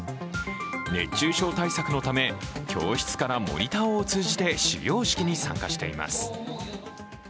熱中症対策のため教室からモニターを通じて始業式に参加しています。